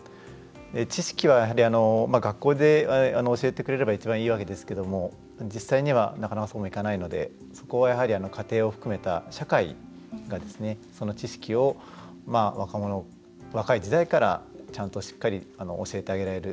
知識は、やはり学校で教えてくれれば一番いいわけですが実際には、なかなかそうもいかないのでそこは家庭も含めた社会がその知識を若い時代からちゃんと、しっかり教えてあげられる。